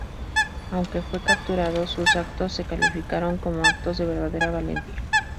Aunque fue capturado, sus actos se calificaron como actos de ""verdadera valentía"".